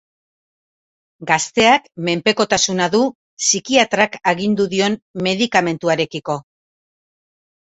Gazteak menpekotasuna du psikiatrak agindu dion medikamentuarekiko.